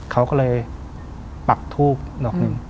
เขาก็เลยปักทูบดอกหนึ่ง